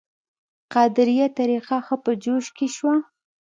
قادریه طریقه ښه په جوش کې شوه.